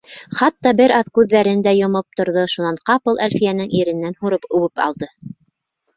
Хатта бер аҙ күҙҙәрен дә йомоп торҙо, шунан ҡапыл Әлфиәнең ирененән һурып үбеп алды.